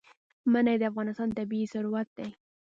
منی د افغانستان طبعي ثروت دی.